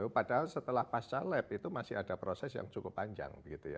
padahal setelah pasca lab itu masih ada proses yang cukup panjang